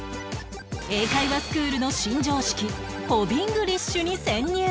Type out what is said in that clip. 英会話スクールの新常識ホビングリッシュに潜入！